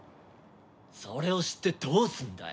それを知ってどうすんだよ。